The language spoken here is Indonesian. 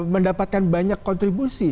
mendapatkan banyak kontribusi